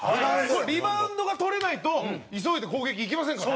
リバウンドが取れないと急いで攻撃いけませんから。